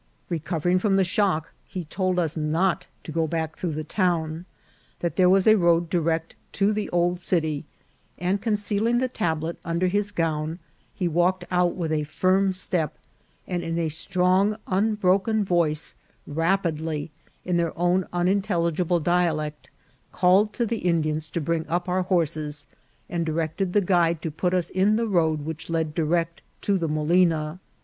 Recovering from the shock, he told us not to go back through the town ; that there was a road direct to the old city ; and concealing the tablet under his gown, he walked out with a firm step, and in a strong, unbroken voice, rapidly, in their own unintelligible dialect, called to the Indians to bring up our horses, and directed the guide to put us in the road which led direct to the molina.